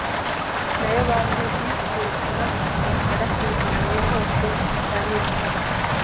nayo baje kuyitwirukanamo. Narazerereye hose banyirukana